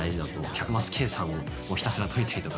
１００マス計算をひたすら解いたりとか。